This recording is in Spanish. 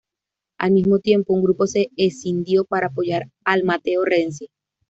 Al mismo tiempo, un grupo se escindió para apoyar al Matteo Renzi.